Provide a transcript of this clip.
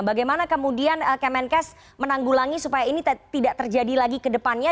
bagaimana kemudian kemenkes menanggulangi supaya ini tidak terjadi lagi ke depannya